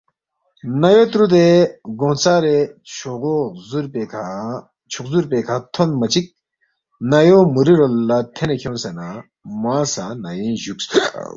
نَیو ترُودے گونگ ژارے چھُو غزُور پیکھہ تھونما چِک نَیو مُوری رول لہ تھینے کھیونگسے نہ موانگ سہ نَیوینگ جُوکس